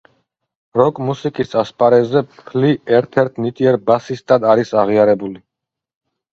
როკ მუსიკის ასპარეზზე ფლი ერთ-ერთ ნიჭიერ ბასისტად არის აღიარებული.